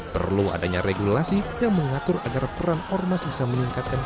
perlu adanya regulasi yang mengatur agar peran ormas bisa meningkatkan